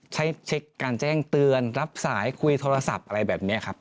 เช็คการแจ้งเตือนรับสายคุยโทรศัพท์อะไรแบบนี้ครับ